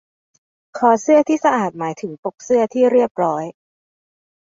คอเสื้อที่สะอาดหมายถึงปกเสื้อที่เรียบร้อย